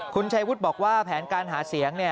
คุณชัยวุฒิบอกว่าแผนการหาเสียง